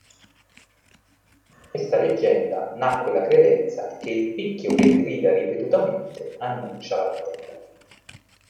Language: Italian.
Da questa leggenda nacque la credenza che il picchio che grida ripetutamente annuncia pioggia.